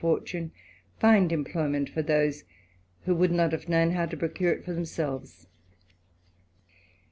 249 OTtune find employment for those, who would not have tuown how to procure it for themselves.